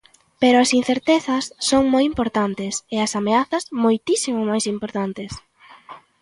Pero as incertezas son moi importantes e as amezas moitísimo máis importantes.